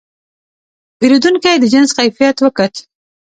پیرودونکی د جنس کیفیت وکت.